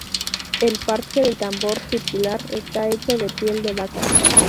El parche del tambor circular está hecho de piel de vaca.